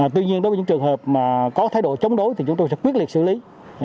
tuy nhiên đối với những trường hợp mà có thái độ chống đối thì chúng tôi sẽ quyết liệt xử lý